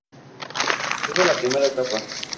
Esta es la primera etapa.